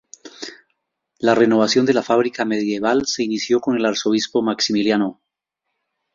La renovación de la fábrica medieval se inició con el arzobispo Maximiliano.